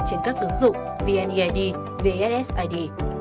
trên các ứng dụng vneid vssid